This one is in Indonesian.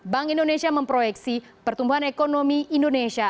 bank indonesia memproyeksi pertumbuhan ekonomi indonesia